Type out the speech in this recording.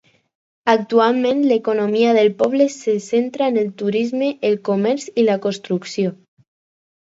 Actualment l'economia del poble se centra en el turisme, el comerç i la construcció.